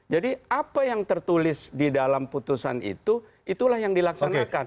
jadi apa yang tertulis di dalam putusan itu itulah yang dilaksanakan